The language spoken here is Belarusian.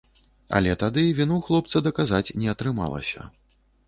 Але тады віну хлопца даказаць не атрымалася.